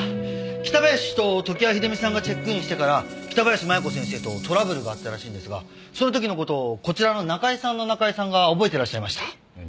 北林氏と常盤秀美さんがチェックインしてから北林麻弥子先生とトラブルがあったらしいんですがその時の事をこちらの仲居さんの中井さんが覚えてらっしゃいました。